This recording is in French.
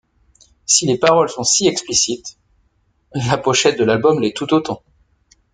Si les paroles sont si explicites, la pochette de l'album l'est tout autant.